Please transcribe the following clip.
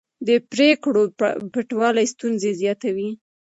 د پرېکړو پټوالی ستونزې زیاتوي